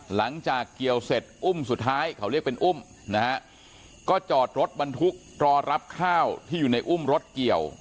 หลังจากเกี่ยวเสร็จอุ้มสุดท้ายเขาเรียกเป็นอุ้มนะฮะก็จอดรถบรรทุกรอรับข้าวที่อยู่ในอุ้มรถเกี่ยว